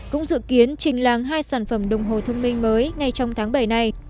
cũng dự kiến trình làng hai sản phẩm đồng hồ thông minh mới ngay trong tháng bảy này